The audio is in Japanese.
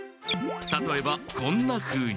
たとえばこんなふうに。